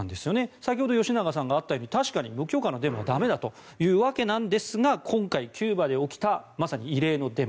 先ほど、吉永さんからあったように確かに無許可のデモは駄目だというわけなんですが今回、キューバで起きたまさに異例のデモ。